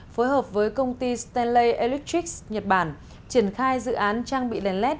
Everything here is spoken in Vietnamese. phối hợp với công ty stanley electrix nhật bản triển khai dự án trang bị đèn led